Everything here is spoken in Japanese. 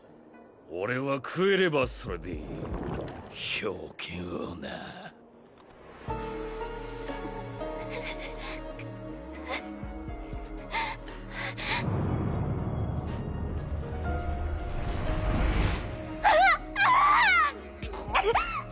俺は食えればそれでいい冰剣をなあああ！